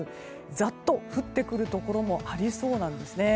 ザッと降ってくるところもありそうなんですね。